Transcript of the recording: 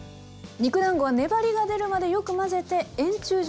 肉だんごは粘りが出るまでよく混ぜて円柱状にします。